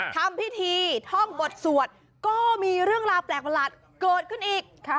ทำพิธีท่องบทสวดก็มีเรื่องราวแปลกประหลาดเกิดขึ้นอีก